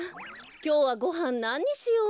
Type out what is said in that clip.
きょうはごはんなににしよう？